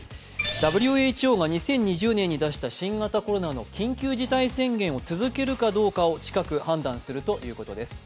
ＷＨＯが２０２０年に出した新型コロナの緊急事態宣言を続けるかどうかを、近く、判断するということです。